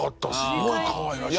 すごいかわいらしい。